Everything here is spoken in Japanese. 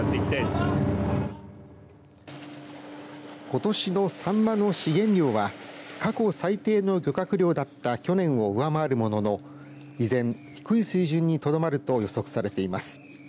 ことしのサンマの資源量は過去最低の漁獲量だった去年を上回るものの依然、低い水準にとどまると予測されています。